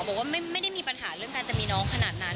บอกว่าไม่ได้มีปัญหาเรื่องการจะมีน้องขนาดนั้น